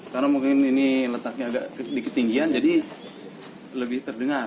karena mungkin ini letaknya agak di ketinggian jadi lebih terdengar